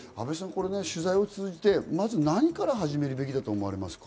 これ取材を通じてまず何から始めるべきだと思われますか？